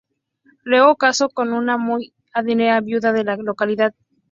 Luego casó con una muy adinerada viuda de la localidad.